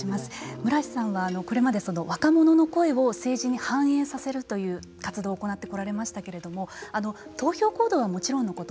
室橋さんはこれまで若者の声を政治に反映させるという活動を行ってこられましたけれども投票行動はもちろんのこと